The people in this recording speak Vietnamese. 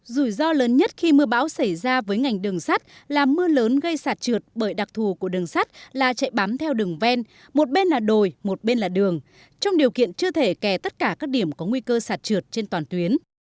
rủi ro lớn nhất khi mưa bão xảy ra với ngành đường sắt là mưa lớn gây sạt trượt bởi đặc thù của đường sắt là chạy bám theo đường ven một bên là đồi một bên là đường trong điều kiện chưa thể kè tất cả các điểm có nguy cơ sạt trượt trên toàn tuyến